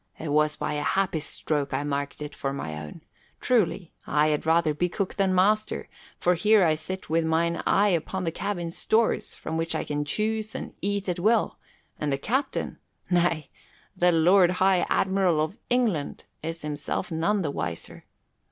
"It was by a happy stroke I marked it for my own. Truly, I had rather be cook than master, for here I sit with mine eye upon the cabin stores, from which I can choose and eat at will, and the captain, nay, the Lord High Admiral of England, is himself none the wiser.